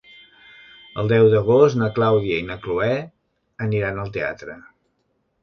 El deu d'agost na Clàudia i na Cloè aniran al teatre.